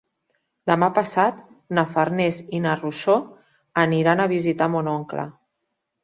Demà passat na Farners i na Rosó aniran a visitar mon oncle.